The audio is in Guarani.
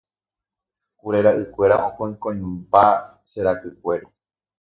kure ra'ykuéra okõikõimba che rakykuéri